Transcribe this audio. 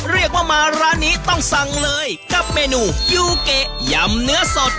เรียกว่ามาร้านนี้ต้องสั่งเลยกับเมนูยูเกะยำเนื้อสด